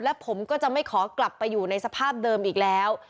และผมก็จะไม่ขอกลับไปอยู่ในสภาพเดิมอีกแล้ว